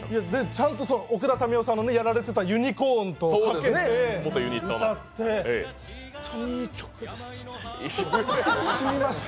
ちゃんと奥田民生さんがやられてたユニコーンとかけて歌って本当にいい曲ですね、しみました。